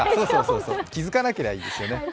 気付かなければいいですよね。